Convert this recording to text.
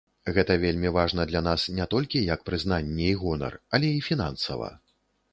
Гэта вельмі важна для нас не толькі як прызнанне і гонар, але і фінансава.